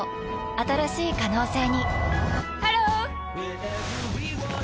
新しい可能性にハロー！